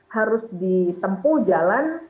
harus ditempuh jalan